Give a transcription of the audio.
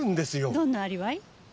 どんなアリバイ？